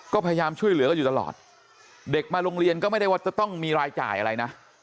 ก็พยายามช่วยเหลือกันอยู่ตลอดเด็กมาโรงเรียนก็ไม่ได้ว่าจะต้องมีรายจ่ายอะไรนะ